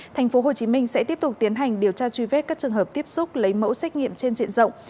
tp hcm sẽ tiếp tục tiến hành điều tra truy vết các trường hợp tiếp xúc lấy mẫu xét nghiệm trên diện rộng